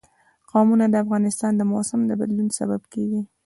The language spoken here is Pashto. قومونه د افغانستان د موسم د بدلون سبب کېږي.